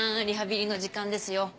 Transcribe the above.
リハビリの時間ですよ。